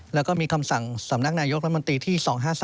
แล้วก็มีคำสั่งสำนักนายกรัฐมนตรีที่๒๕๒